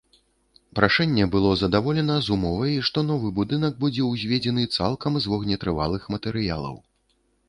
Прашэнне было задаволена з умовай, што новы будынак будзе ўзведзены цалкам з вогнетрывалых матэрыялаў.